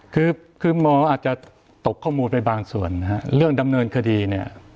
คือคือหมออาจจะตกข้อมูลไปบางส่วนนะฮะเรื่องดำเนินคดีเนี่ย